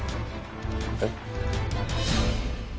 えっ？